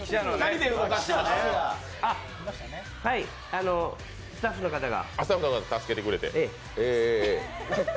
はい、スタッフの方が。